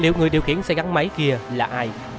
liệu người điều khiển xe gắn máy kia là ai